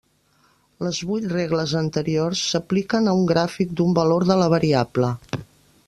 Les vuit regles anteriors s'apliquen a un gràfic d'un valor de la variable.